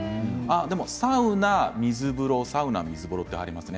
でも、サウナ、水風呂サウナ、水風呂ですね。